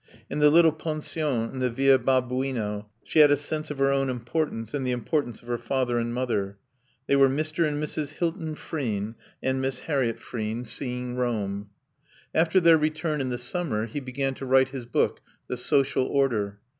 In the little Pension in the Via Babuino she had a sense of her own importance and the importance of her father and mother. They were Mr. and Mrs. Hilton Frean, and Miss Harriett Frean, seeing Rome. After their return in the summer he began to write his book, The Social Order.